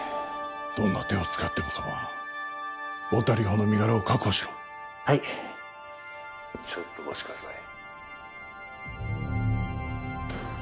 どんな手を使っても構わん太田梨歩の身柄を確保しろはいちょっとお待ちください